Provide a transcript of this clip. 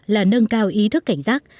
là nâng cao ý thức cảnh giác